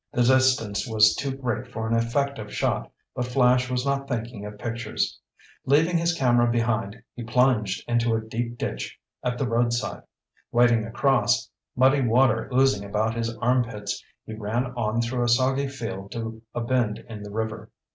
The distance was too great for an effective shot, but Flash was not thinking of pictures. Leaving his camera behind, he plunged into a deep ditch at the roadside. Wading across, muddy water oozing about his armpits, he ran on through a soggy field to a bend in the river.